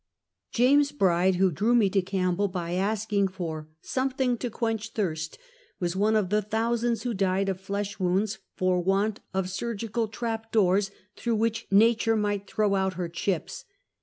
James Beide, who drew me to Campbell, by asking for "something to quench thirst," was one of the thousands who died of flesh wounds, for want of surgical trap doors, through which nature might throw out her chips.